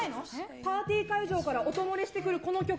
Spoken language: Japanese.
パーティー会場から音漏れしてくるこの曲。